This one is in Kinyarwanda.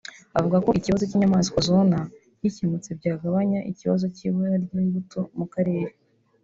Avuga ko ikibazo cy’inyamaswa zona gikemutse byagabanya ikibazo cy’ibura ry’imbuto mu karere